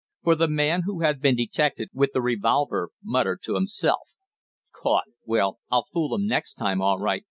For the man who had been detected with the revolver muttered to himself: "Caught! Well, I'll fool 'em next time all right!